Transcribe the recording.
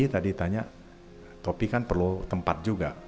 tadi tanya topi kan perlu tempat juga